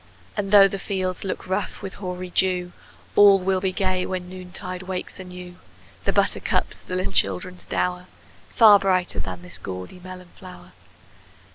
And though the fields look rough with hoary dew, All will be gay when noontide wakes anew The buttercups, the little children's dower Far brighter than this gaudy melon flower!